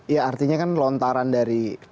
ya artinya kan lontaran dari